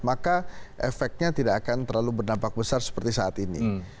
maka efeknya tidak akan terlalu berdampak besar seperti saat ini